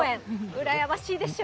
うらやましいでしょ？